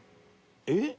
えっ？